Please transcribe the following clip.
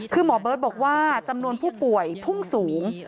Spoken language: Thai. คือหมอเบิร์ตบอกว่าจำนวนผู้ป่วยพุ่งสูง